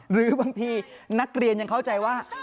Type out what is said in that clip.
หรือบางทีนักเรียนยังเข้าใจว่า